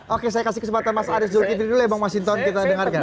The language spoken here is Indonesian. oke saya kasih kesempatan mas arief dulu bang mas hinton kita dengarkan